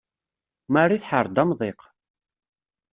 Mari tḥerr-d amḍiq.